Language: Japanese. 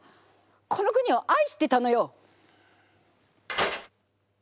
この国を愛してたのよ！